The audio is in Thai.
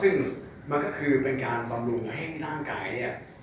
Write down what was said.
ซึ่งมันก็คือเป็นการบำรุงให้ร่างกายเนี่ย